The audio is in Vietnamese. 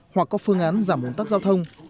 hoặc có phương án giảm ồn tắc giao thông